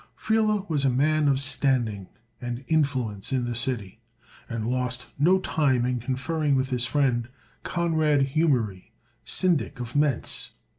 Friele was a man of standing and influence in the city, and lost no time in conferring with his friend, Conrad Humery, Syndic of Mentz.